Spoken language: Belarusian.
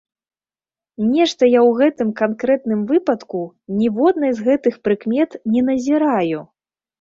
Нешта я ў гэтым канкрэтным выпадку ніводнай з гэтых прыкмет не назіраю.